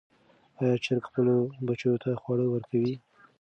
آیا چرګه خپلو بچیو ته خواړه ورکوي؟